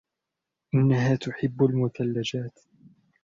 إنها تحب المثلجات.